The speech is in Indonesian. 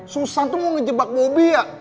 susan tuh mau ngejebak bobby ya